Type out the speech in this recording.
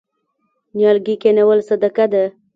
نیالګي کینول صدقه ده.